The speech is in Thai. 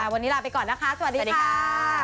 วันนี้ลาไปก่อนนะคะสวัสดีค่ะ